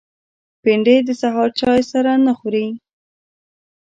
بېنډۍ د سهار چای سره نه خوري